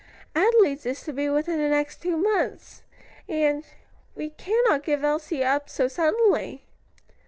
"Adelaide's is to be within the next two months, and we cannot give up Elsie so suddenly."